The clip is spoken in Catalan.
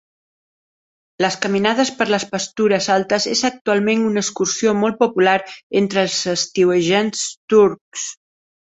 Les caminades per les pastures altes és actualment una excursió molt popular entre els estiuejants turcs.